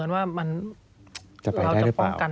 สวัสดีค่ะที่จอมฝันครับ